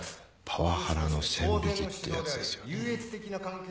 パワハラの線引きってやつですよね？